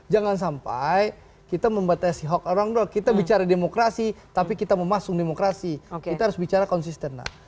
jangan sampai kita membatasi hak orang doa kita bicara demokrasi tapi kita memasung demokrasi kita harus bicara konsisten lah